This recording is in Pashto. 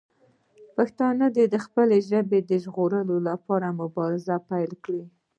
پښتانه دې د خپلې ژبې د ژغورلو مبارزه پیل کړي.